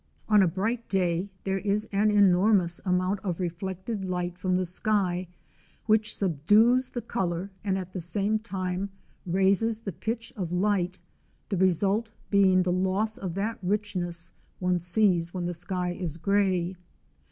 8i On a bright day there is an enormous amount of reflected light from the sky, which subdues the colour and at the same time raises the pitch of light, the result being the loss of that richness one sees when the sky is grey.